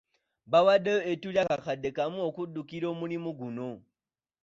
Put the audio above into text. Baawaddeyo ettu lya kakadde kamu okudduukirira omulimu guno.